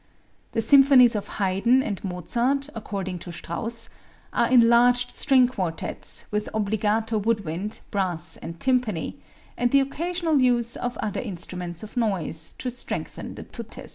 The symphonies of Haydn and Mozart, according to Strauss, are enlarged string quartets with obbligato woodwind, brass and tympani, and the occasional use of other instruments of noise to strengthen the tuttis.